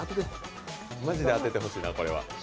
マジで当ててほしいな。